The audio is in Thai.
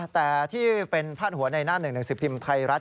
แต่ที่เป็นพาดหัวในหน้าหนึ่งหนังสือพิมพ์ไทยรัฐ